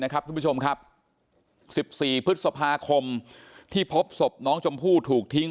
ทุกผู้ชมครับ๑๔พฤษภาคมที่พบศพน้องชมพู่ถูกทิ้ง